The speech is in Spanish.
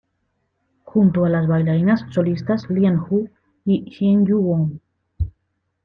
Junto a las bailarinas solistas Lian Ho y Chien-Ju Wang.